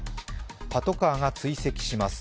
パトカーが追跡します。